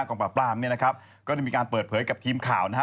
กองปราบปรามเนี่ยนะครับก็ได้มีการเปิดเผยกับทีมข่าวนะฮะ